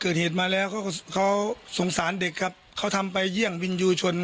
เกิดเหตุมาแล้วเขาสงสารเด็กครับเขาทำไปเยี่ยงวินยูชน